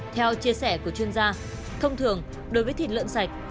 theo chia sẻ của chuyên gia thông thường đối với thịt lợn sạch